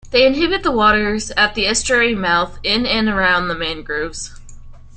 They inhabit the waters at the estuary mouth in and around the mangroves.